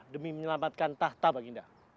demi menyelamatkan tahta baginda